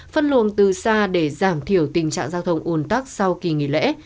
phân luồng từ xa để giảm thiểu tình trạng giao thông ủn tắc sau kỳ nghỉ lễ